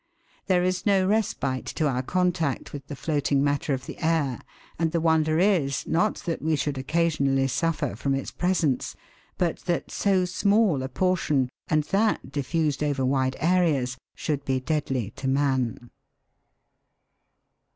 There is no respite to our contact with the floating matter of the air, and the wonder is, not that we should occasionally suffer from its presence, but that so small a portion, and that diffused over wide areas, should be deadly to man."